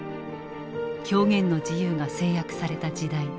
表現の自由が制約された時代。